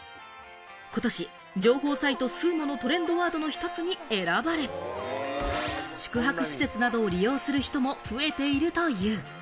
今年情報サイトＳＵＵＭＯのトレンドワードの一つに選ばれ、宿泊施設などを利用する人も増えているという。